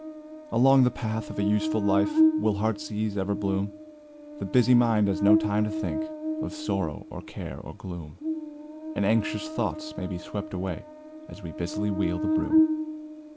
Along the path of a useful life Will heart's ease ever bloom; The busy mind has no time to think Of sorrow, or care, or gloom; And anxious thoughts may be swept away As we busily wield a broom.